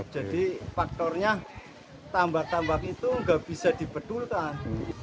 jadi faktornya tambak tambak itu nggak bisa dibedulkan